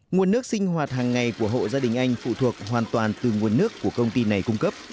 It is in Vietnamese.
nguồn nước sinh hoạt hàng ngày của hộ gia đình anh phụ thuộc hoàn toàn từ nguồn nước của công ty này cung cấp